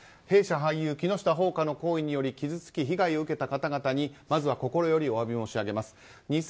弊社俳優・木下ほうかの行為により傷つき、被害を受けた方々にまずは心よりお詫び申し上げます。